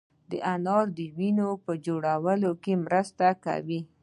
انار د وینې په جوړولو کې مرسته کوي.